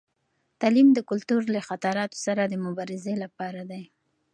تعلیم د کلتور له خطراتو سره د مبارزې لپاره دی.